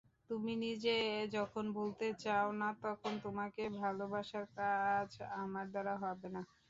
তুমি নিজে যখন ভুলতে চাও না তখন তোমাকে ভোলাবার কাজ আমার দ্বারা হবে না।